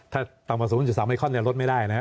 ถ้าต่ำกว่า๐๓ไมคอนลดไม่ได้นะครับ